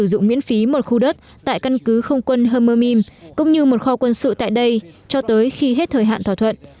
các nga sử dụng miễn phí một khu đất tại căn cứ không quân hermamim cũng như một kho quân sự tại đây cho tới khi hết thời hạn thỏa thuận